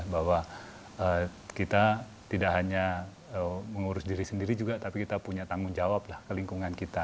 bahwa kita tidak hanya mengurus diri sendiri juga tapi kita punya tanggung jawab lah ke lingkungan kita